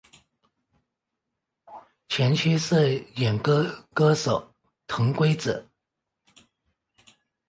前妻是演歌歌手藤圭子。